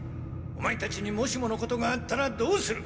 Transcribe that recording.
オマエたちにもしものことがあったらどうする！